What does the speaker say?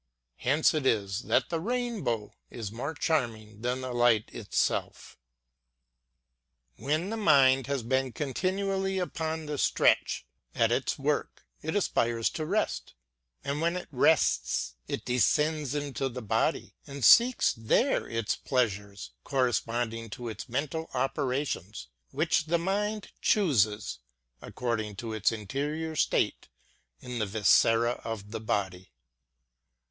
Hence it is that the rainbow is more charm ing than the light itself. When the mind has been continually upon the stretch, at its work, it aspires to rest ; and when it rests it descends into the body, and seeks there its pleasures, correspondent to its mental operations, ŌĆö which the mind chooses, according to its interior state in the viscera of the body.